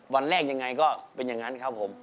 วันแรกยังไงก็เป็นอย่างนั้นครับผม